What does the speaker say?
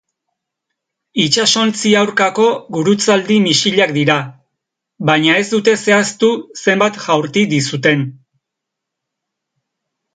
Itsasontzi aurkako gurutzaldi-misilak dira, baina ez dute zehaztu zenbat jaurti dizuten.